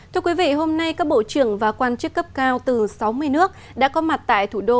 thưa quý vị hôm nay các bộ trưởng và quan chức cấp cao từ sáu mươi nước đã có mặt tại thủ đô